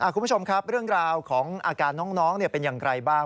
คุณผู้ชมครับเรื่องราวของอาการน้องเป็นอย่างไรบ้าง